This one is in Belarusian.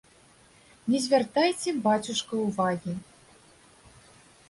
Не звяртайце, бацюшка, увагі.